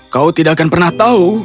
kau tidak akan pernah tahu